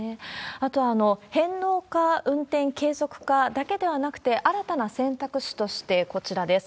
あと、返納か運転継続かだけではなくて、新たな選択肢として、こちらです。